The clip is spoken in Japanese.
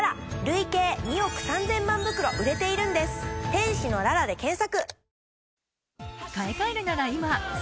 「天使のララ」で検索！